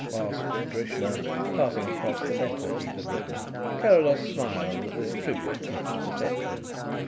asked Drishna, passing across the letter he had written. Carrados smiled at this tribute to his perception.